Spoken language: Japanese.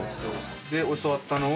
で教わったのを。